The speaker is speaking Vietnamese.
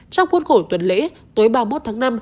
trong cuốn khổ tuần lễ tối ba mươi một tháng năm